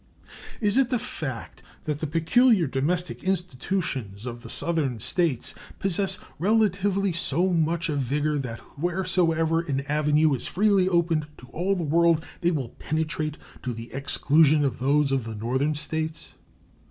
Is it the fact that the peculiar domestic institutions of the Southern States possess relatively so much of vigor that wheresoever an avenue is freely opened to all the world they will penetrate to the exclusion of those of the Northern States?